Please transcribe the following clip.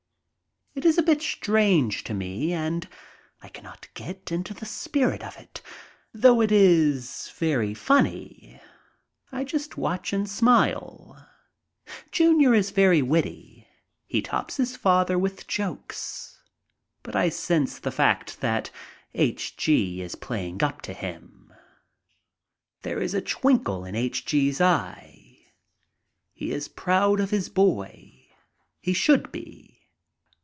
It is a bit strange to me and I cannot get into the spirit of it, though it is very funny. I just watch and smile. Junior is very witty. He tops his father with jokes, but I sense the fact that H. G. is playing up to him. There is a twinkle in H. G.'s eye. He is proud of his boy. He should be.